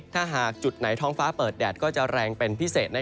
ถ้าหากจุดไหนท้องฟ้าเปิดแดดก็จะแรงเป็นพิเศษ